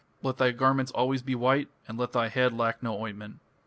Let thy garments be always white; and let thy head lack no ointment.